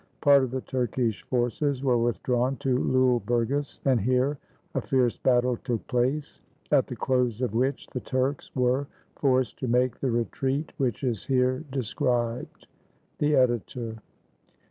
Part of the Turkish forces were withdrawn to Lule Burgas, and here a fierce battle took place, at the close of which the Turks were forced to make the retreat which is here described. The Editor.